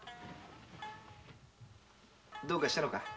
どうかしたのかい？